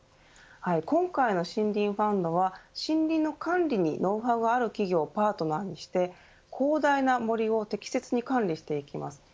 今回の森林ファンドは森林の管理にノウハウがある企業をパートナーにして広大な森を適切に管理していきます。